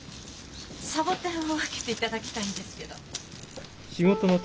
サボテンを分けていただきたいんですけど。